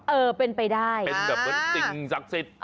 เออเป็นไปได้เป็นแบบเหมือนสิ่งศักดิ์สิทธิ์